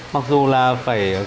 mặc dù là phải